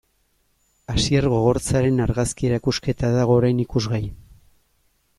Asier Gogortzaren argazki erakusketa dago orain ikusgai.